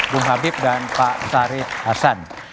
bung habib dan pak syarif hasan